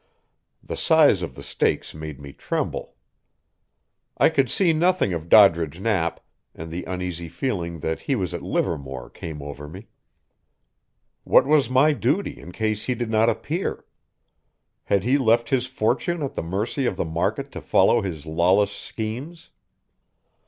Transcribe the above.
The size of the stakes made me tremble. I could see nothing of Doddridge Knapp, and the uneasy feeling that he was at Livermore came over me. What was my duty in case he did not appear? Had he left his fortune at the mercy of the market to follow his lawless schemes?